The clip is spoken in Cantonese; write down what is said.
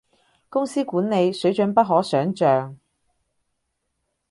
公司管理，水準不可想像